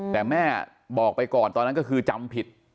แต่แม่บอกไปก่อนตอนนั้นก็คือจำผิด